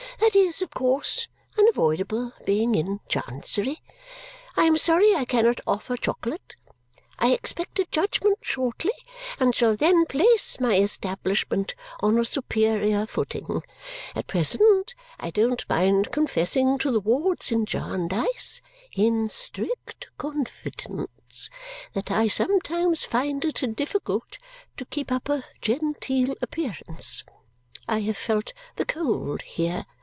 That is, of course, unavoidable, being in Chancery. I am sorry I cannot offer chocolate. I expect a judgment shortly and shall then place my establishment on a superior footing. At present, I don't mind confessing to the wards in Jarndyce (in strict confidence) that I sometimes find it difficult to keep up a genteel appearance. I have felt the cold here.